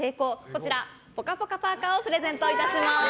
こちらのぽかぽかパーカをプレゼントいたします！